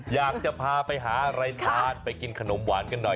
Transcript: อยากจะพาไปหาอะไรทานไปกินขนมหวานกันหน่อย